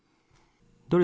どれ？